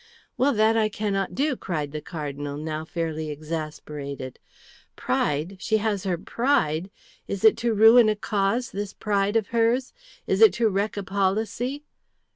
"Well, that I cannot do," cried the Cardinal, now fairly exasperated. "Pride! She has her pride! Is it to ruin a cause, this pride of hers? Is it to wreck a policy?"